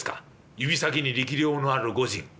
指先に力量のある御仁」。